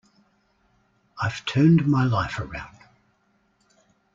I've turned my life around.